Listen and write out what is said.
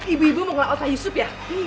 ibu ibu mau ngelakuk pak yusuf ya